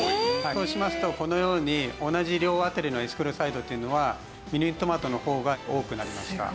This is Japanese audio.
こうしますとこのように同じ量あたりのエスクレオサイドっていうのはミニトマトの方が多くなりました。